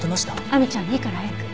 亜美ちゃんいいから早く。